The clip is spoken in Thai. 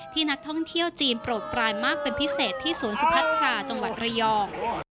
นักท่องเที่ยวจีนโปรดปลายมากเป็นพิเศษที่ศูนย์สุพัทราจังหวัดระยอง